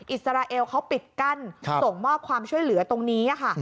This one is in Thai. อิสราเอลเขาปิดกั้นส่งมอบความช่วยเหลือตรงนี้ค่ะ